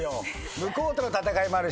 向こうとの戦いもあるし。